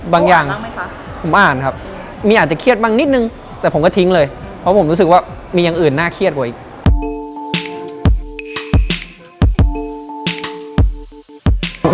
บางอย่างบ้างไหมคะบ้านครับมีอาจจะเครียดบ้างนิดนึงแต่ผมก็ทิ้งเลยเพราะผมรู้สึกว่ามีอย่างอื่นน่าเครียดกว่าอีก